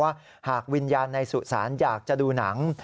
ว่าหากวิญญาณในสุสานอยากจะดูหนัง